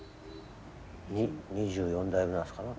２２４代目なんですかな？